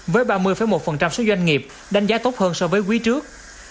với ba mươi một số doanh nghiệp đánh giá tốt hơn so với quý trước